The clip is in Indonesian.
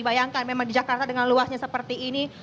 bayangkan memang di jakarta dengan luasnya seperti ini